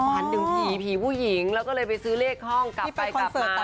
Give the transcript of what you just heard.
ฝันถึงผีผีผู้หญิงแล้วก็เลยไปซื้อเลขห้องกลับไปกลับมา